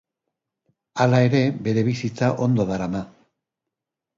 Hala ere, bere bizitza ondo darama.